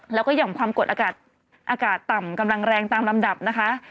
แล้วก็หย่อมความกดอากาศต่ำกำลังแรงตามลำดับนะคะ